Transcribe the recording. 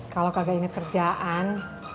kalau kagak inget kerjaan